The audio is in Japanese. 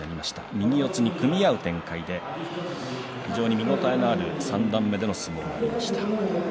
右四つに組み合う展開で非常に見応えのある三段目での相撲になりました。